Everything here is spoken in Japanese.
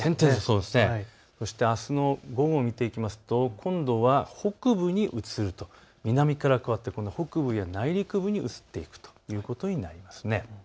そしてあすの午後を見ていきますと今度は北部に移ると、南から変わって北部や内陸部に移っていくということになります。